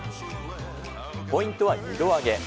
ポイントは２度揚げ。